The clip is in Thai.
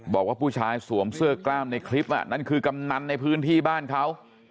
บอกว่าผู้ชายสวมเสื้อกล้ามในคลิปนั่นคือกำนันในพื้นที่บ้านเขา